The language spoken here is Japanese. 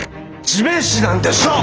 地面師なんでしょう！